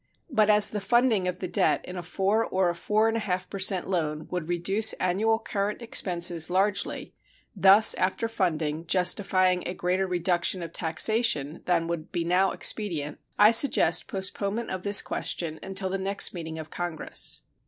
But as the funding of the debt in a 4 or a 4 1/2 per cent loan would reduce annual current expenses largely, thus, after funding, justifying a greater reduction of taxation than would be now expedient, I suggest postponement of this question until the next meeting of Congress.